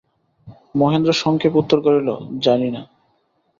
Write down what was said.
মহেন্দ্র সংক্ষেপে উত্তর করিল, জানি না।